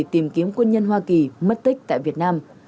tù nhân hoa kỳ mất tích tại việt nam